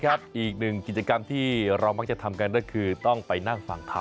กันแล้วนะครับอีกหนึ่งกิจกรรมที่เรามักจะทำกันก็คือต้องไปนั่งฝั่งธรรม